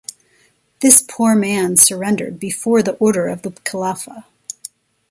This poor man surrendered before the order of the Khilafah.